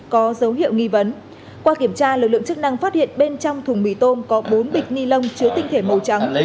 có dấu hiệu nghi vấn qua kiểm tra lực lượng chức năng phát hiện bên trong thùng mì tôm có bốn bịch ni lông chứa tinh thể màu trắng